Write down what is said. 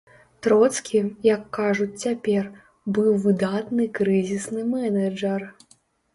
Троцкі, як кажуць цяпер, быў выдатны крызісны менеджар.